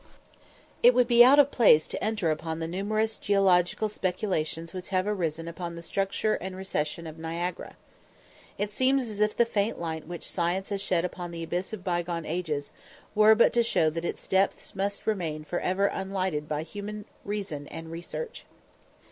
It would be out of place to enter upon the numerous geological speculations which have arisen upon the structure and recession of Niagara. It seems as if the faint light which science has shed upon the abyss of bygone ages were but to show that its depths must remain for ever unlighted by human reason and research.